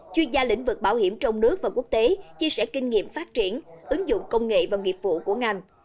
chuyên gia lĩnh vực bảo hiểm trong nước và quốc tế chia sẻ kinh nghiệm phát triển ứng dụng công nghệ và nghiệp vụ của ngành